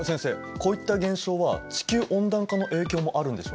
こういった現象は地球温暖化の影響もあるんでしょうか？